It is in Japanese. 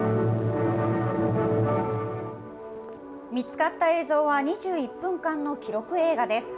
見つかった映像は、２１分間の記録映画です。